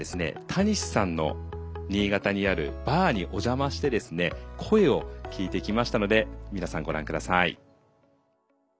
たにしさんの新潟にあるバーにお邪魔して声を聞いてきましたので皆さんご覧下さい。